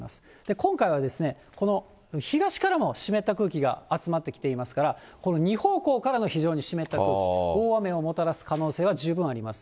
今回はこの東からの湿った空気が集まってきていますから、この２方向からの非常に湿った空気、大雨をもたらす可能性は十分あります。